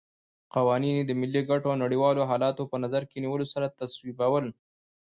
قوانین یې د ملي ګټو او نړیوالو حالاتو په نظر کې نیولو سره تصویبول.